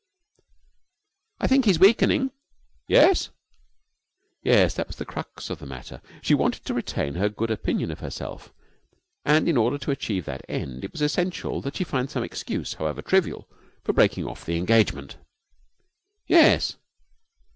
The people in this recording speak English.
'I think he's weakening.' 'Yes?' Yes, that was the crux of the matter. She wanted to retain her good opinion of herself. And in order to achieve that end it was essential that she find some excuse, however trivial, for breaking off the engagement. 'Yes?'